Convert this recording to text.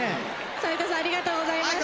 斉藤さんありがとうございました。